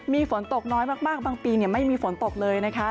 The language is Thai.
มีฝนตกน้อยมากบางปีไม่มีฝนตกเลยนะคะ